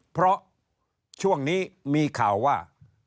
เพราะช่วงนี้มีข่าวว่า